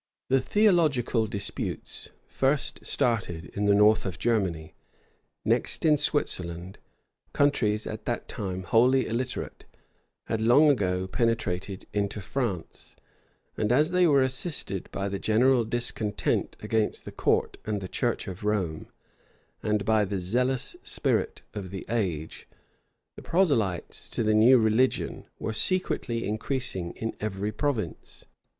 The theological disputes, first started in the north of Germany, next in Switzerland, countries at that time wholly illiterate, had long ago penetrated into France; and as they were assisted by the general discontent against the court and church of Rome, and by the zealous spirit of the age, the proselytes to the new religion were secretly increasing in every province.